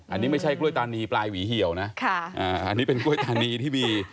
อันนี้ไม่ใช่กล้วยตานีปลายหวีเหี่ยวนะอันนี้เป็นกล้วยตานีที่มี